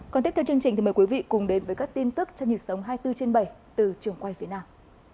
còn tiếp theo chương trình thì mời quý vị cùng đến với các tin tức trên nhiều sống hai mươi bốn trên bảy từ trường quay việt nam